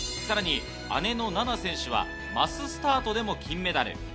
さらに姉の菜那選手はマススタートでも金メダル。